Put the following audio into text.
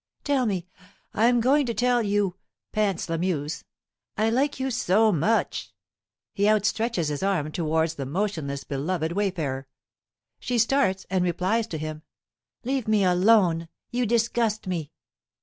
"Tell me I am going to tell you," pants Lamuse. "I like you so much " He outstretches his arm towards the motionless, beloved wayfarer. She starts, and replies to him, "Leave me alone you disgust me!"